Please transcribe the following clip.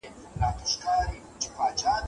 امر بالمعروف او نهی عن المنکر وکړئ.